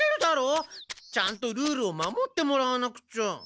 ちゃんとルールを守ってもらわなくちゃ。